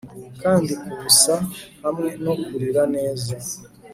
Kandi kubusa hamwe no kurira neza